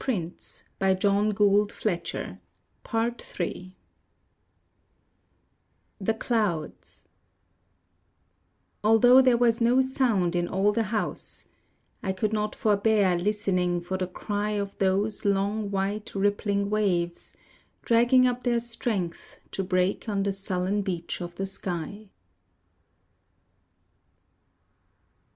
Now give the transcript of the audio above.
Part III The Clouds Although there was no sound in all the house, I could not forbear listening for the cry of those long white rippling waves Dragging up their strength to break on the sullen beach of the sky.